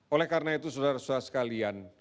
oleh karena itu saudara saudara sekalian